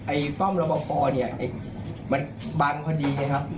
ป้อมรับพอเนี่ยมันบังพอดีไงครับ